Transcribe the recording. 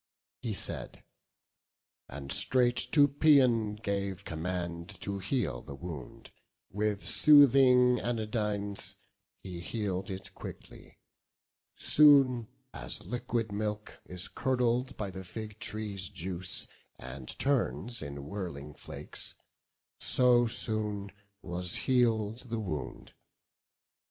He said: and straight to Paeon gave command To heal the wound; with soothing anodynes He heal'd it quickly; soon as liquid milk Is curdled by the fig tree's juice, and turns In whirling flakes, so soon was heal'd the wound.